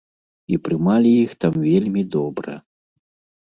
І прымалі іх там вельмі добра!